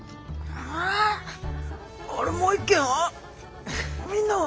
あれもう一軒は？